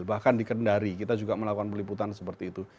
bahkan di kendari kita juga melakukan peliputan seperti itu